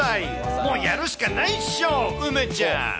もうやるしかないっしょ、梅ちゃん。